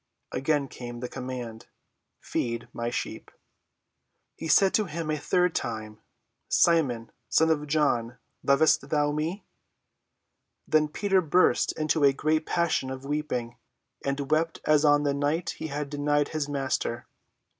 Again came the command, "Feed my sheep." He said to him the third time, "Simon, son of John, lovest thou me?" Then Peter burst into a great passion of weeping, and wept as on the night he had denied his Master.